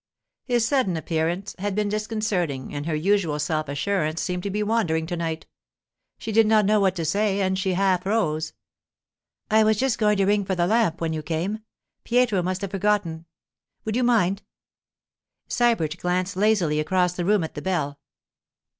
His sudden appearance had been disconcerting, and her usual self assurance seemed to be wandering to night. She did not know what to say, and she half rose. 'I was just going to ring for the lamp when you came. Pietro must have forgotten it. Would you mind——' Sybert glanced lazily across the room at the bell.